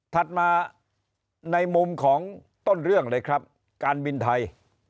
ถัดมาในมุมของต้นเรื่องเลยครับการบินไทย